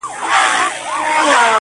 د واه ، واه يې باندي جوړ كړل بارانونه؛